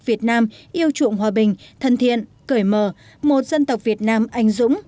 việt nam yêu trụng hòa bình thân thiện cởi mờ một dân tộc việt nam anh dũng